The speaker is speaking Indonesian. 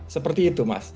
seperti itu mas